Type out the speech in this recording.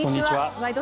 「ワイド！